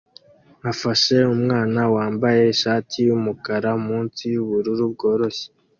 afashe umwana wambaye ishati yumukara munsi yubururu bworoshye